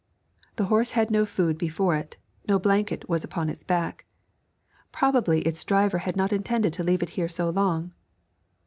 The horse had no food before it; no blanket was upon its back. Probably its driver had not intended to leave it here so long.